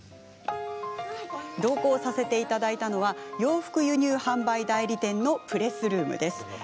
同行させていただいたのは洋服輸入販売代理店のプレスルームです。